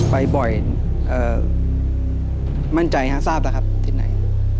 ไปบ่อยมั่นใจฮะทราบแล้วครับทิศไหน